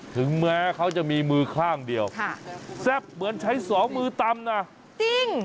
ถึงแม้เขาจะมีมือข้างเดียวแซ่บเหมือนใช้สองมือตำนะจริง